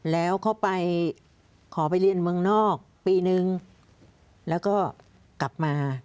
แล้วเขาไปขอไปเรียนเมืองนอกปีนึงแล้วก็กลับมา